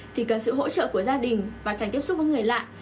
thì cần sự hỗ trợ của gia đình và tránh tiếp xúc với người lạ